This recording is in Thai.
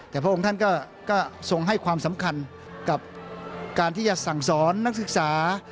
แต่พระองค์ท่านก็ทรงให้ความสำคัญกับการที่จะสั่งสอนนักศึกษา